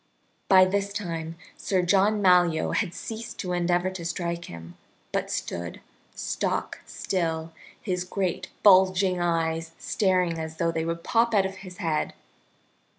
By this time Sir John Malyoe had ceased to endeavor to strike him, but stood stock still, his great bulging eyes staring as though they would pop out of his head.